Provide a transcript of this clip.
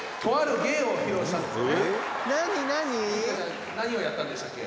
「虹花さん何をやったんでしたっけ？」